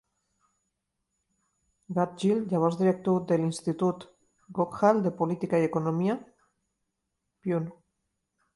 Gadgil, llavors director de l'Institut Gokhale de política i economia, Pune.